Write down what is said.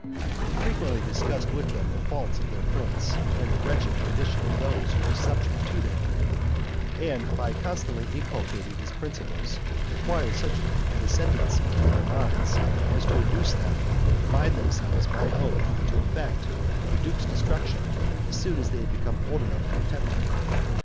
He frequently discussed with them the faults of their prince, and the wretched condition of those who were subject to him; and by constantly inculcating his principles, acquired such an ascendancy over their minds as to induce them to bind themselves by oath to effect the duke's destruction, as soon as they became old enough to attempt it.